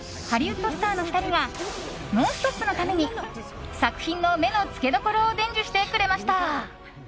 ハリウッドスターの２人は「ノンストップ！」のために作品の目のつけどころを伝授してくれました。